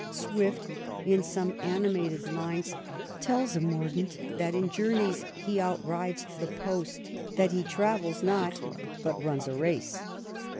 Swift, in some animated lines, tells of Mor daunt that ^' In journeys he outrides the post "; that " he travels not, but runs a race."